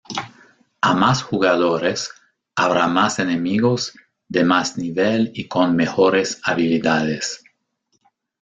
A más jugadores, habrá más enemigos, de más nivel y con mejores habilidades.